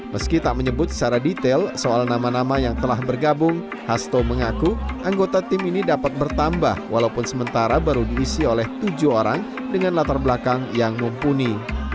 meski tak menyebut secara detail soal nama nama yang telah bergabung hasto mengaku anggota tim ini dapat bertambah walaupun sementara baru diisi oleh tujuh orang dengan latar belakang yang mumpuni